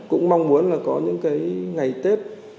cũng mong muốn là có những cái ngày tết